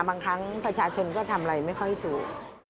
บางครั้งประชาชนก็ทำอะไรไม่ค่อยถูก